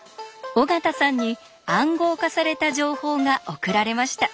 尾形さんに「暗号化された情報」が送られました。